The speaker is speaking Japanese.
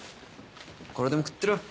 これでも食ってろ。